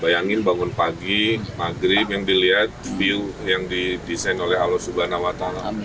bayangin bangun pagi maghrib yang dilihat view yang didesain oleh allah swt